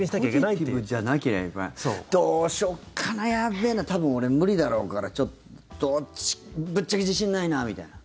ポジティブじゃなければどうしようかな、やべーな多分俺、無理だろうからちょっとぶっちゃけ自信ないみたいな。